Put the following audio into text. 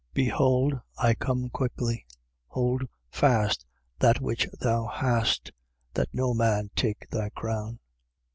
3:11. Behold, I come quickly: hold fast that which thou hast, that no man take thy crown.